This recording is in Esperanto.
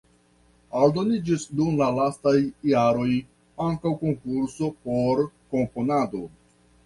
Aldoniĝis dum la lastaj jaroj ankaŭ konkurso por komponado.